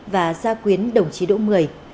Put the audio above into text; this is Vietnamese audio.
và gia quyến đồng chí đỗ mười